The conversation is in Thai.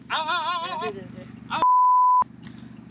เอาเอาเอา